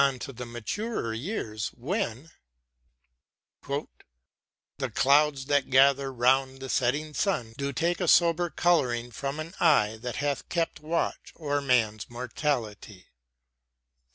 124 WORDSWORTH AS A TEACHER The clouds that gather round the setting sun Do take a sober colouring from an eye That hath kept watch o'er man's mortality.